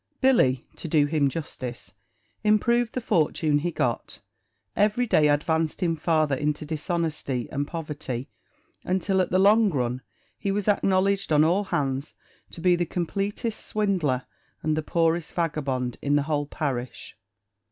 Billy, to do him justice, improved the fortune he got: every day advanced him farther into dishonesty and poverty, until, at the long run, he was acknowledged on all hands to be the completest swindler and the poorest vagabond in the whole parish.